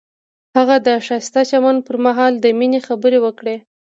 هغه د ښایسته چمن پر مهال د مینې خبرې وکړې.